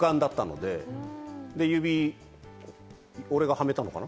で、俺が指にはめたのかな？